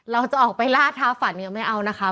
เราจะออกไปล่าท้าฝันยังไม่เอานะคะ